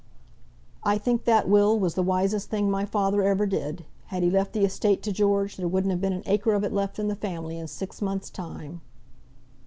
"I think that will was the wisest thing my father ever did. Had he left the estate to George, there wouldn't have been an acre of it left in the family in six months' time."